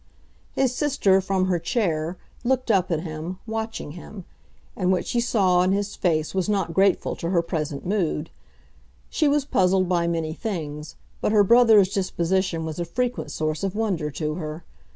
His sister, from her chair, looked up at him, watching him; and what she saw in his face was not grateful to her present mood. She was puzzled by many things, but her brother's disposition was a frequent source of wonder to her.